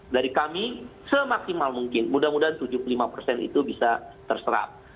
dari kami semaksimal mungkin mudah mudahan tujuh puluh lima persen itu bisa terserap